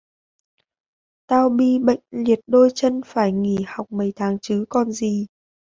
tao bi bệnh liệt đôi chân phải nghỉ học mấy tháng chứ còn gì